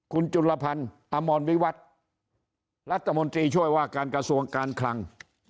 คุณจุลพันธ์อมรวิวัตรรัฐมนตรีช่วยว่าการกระทรวงการคลัง